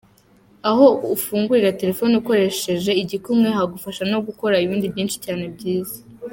Aho ufungurira telefone ukoresheje igikumwe hagufasha no gukora ibindi byinshi cyane byiza.